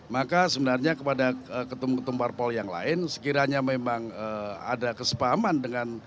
maka sebenarnya kepada ketum ketum parpol yang lain sekiranya memang ada kesepahaman dengan